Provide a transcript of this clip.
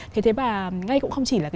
thế thì ngay cũng không chỉ là